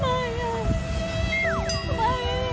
อื้อหือหือ